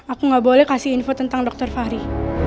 aku nggak boleh kasih info tentang dokter fahri